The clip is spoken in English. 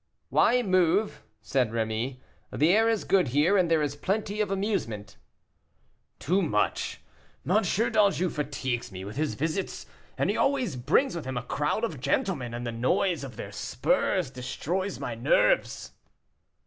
"Why move?" said Rémy. "The air is good here, and there is plenty of amusement." "Too much; M. d'Anjou fatigues me with his visits, and he always brings with him a crowd of gentlemen, and the noise of their spurs destroys my nerves."